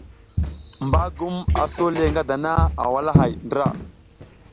Bagum a sole nga dana a walahay ndra,